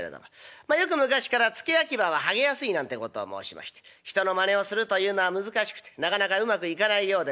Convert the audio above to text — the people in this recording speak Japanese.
まあよく昔から付け焼き刃は剥げやすいなんてことを申しまして人のまねをするというのは難しくてなかなかうまくいかないようでございまして。